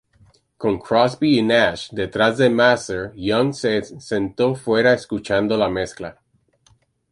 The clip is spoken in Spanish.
Con Crosby y Nash detrás de Mazer, Young se sentó fuera escuchando la mezcla.